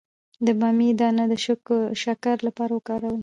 د بامیې دانه د شکر لپاره وکاروئ